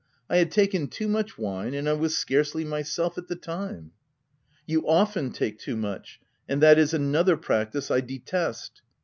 I had taken too much wine, and I was scarcely myself, at the time." u You often take too much ;— and that is another practice I detest."